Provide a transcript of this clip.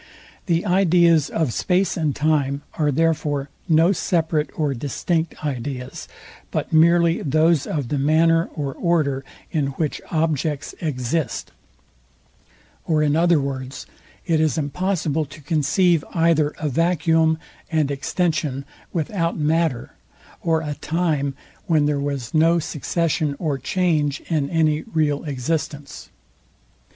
The ideas of space and time are therefore no separate or distinct ideas, but merely those of the manner or order, in which objects exist: Or in other words, it is impossible to conceive either a vacuum and extension without matter, or a time, when there was no succession or change in any real existence.